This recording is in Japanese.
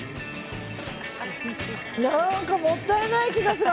何か、もったいない気がする。